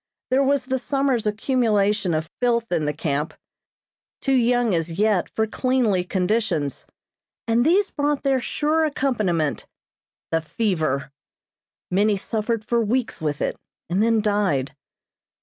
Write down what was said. There was the summer's accumulation of filth in the camp, too young as yet for cleanly conditions, and these brought their sure accompaniment the fever. Many suffered for weeks with it, and then died.